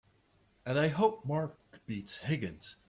And I hope Mark beats Higgins!